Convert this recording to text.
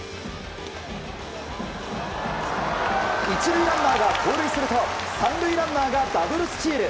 １塁ランナーが盗塁すると３塁ランナーがダブルスチール。